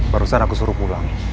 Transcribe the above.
barusan aku suruh pulang